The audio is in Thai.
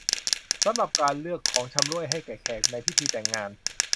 สำหรับการเลือก ของชำร่วย ให้แก่แขกในพิธีแต่งงาน